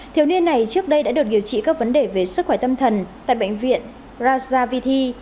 thiếu niên này trước đây đã được điều trị các vấn đề về sức khỏe tâm thần tại bệnh viện rajavithi